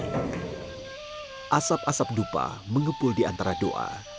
asap asap dupa mengepul di antara doa